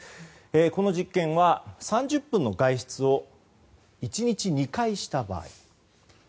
この実験は３０分の外出を１日２回した場合。